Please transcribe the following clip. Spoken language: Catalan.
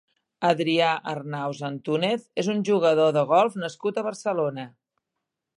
Adrià Arnaus Antúnez és un jugador de golf nascut a Barcelona.